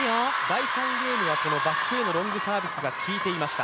第３ゲームはバックへのロングサービスが効いていました。